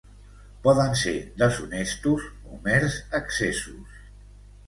Poden ser deshonestos o mers excessos.